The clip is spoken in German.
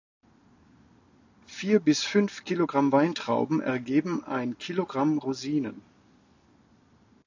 Vier bis fünf Kilogramm Weintrauben ergeben ein Kilogramm Rosinen.